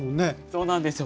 そうなんですよ。